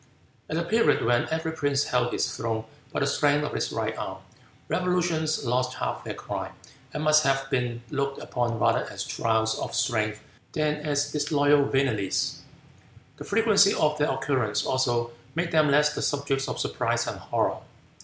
At a period when every prince held his throne by the strength of his right arm, revolutions lost half their crime, and must have been looked upon rather as trials of strength than as disloyal villanies. The frequency of their occurrence, also, made them less the subjects of surprise and horror.